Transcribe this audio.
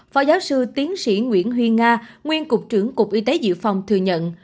phó giáo sư tiến sĩ nguyễn huy nga nguyên cục trưởng cục y tế dự phòng thừa nhận